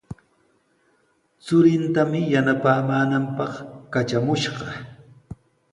Churintami yanapaamaananpaq katramushqa.